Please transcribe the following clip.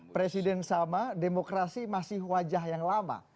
presiden sama demokrasi masih wajah yang lama